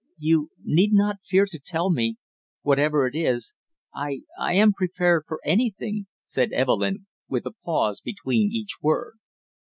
"You need not fear to tell me whatever it is, I I am prepared for anything " said Evelyn, with a pause between each word.